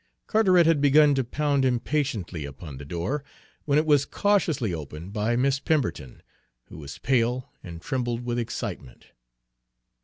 Carteret had begun to pound impatiently upon the door, when it was cautiously opened by Miss Pemberton, who was pale, and trembled with excitement.